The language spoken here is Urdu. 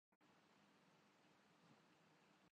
اب ایک دیکھنے اور سننے والے کو کیا محسوس ہو گا؟